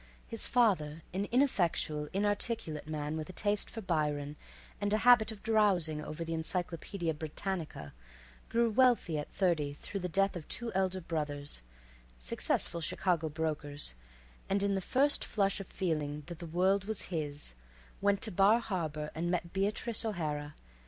His father, an ineffectual, inarticulate man with a taste for Byron and a habit of drowsing over the Encyclopedia Britannica, grew wealthy at thirty through the death of two elder brothers, successful Chicago brokers, and in the first flush of feeling that the world was his, went to Bar Harbor and met Beatrice O'Hara.